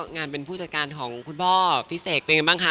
งานเป็นผู้จัดการของคุณพ่อพี่เสกเป็นไงบ้างคะ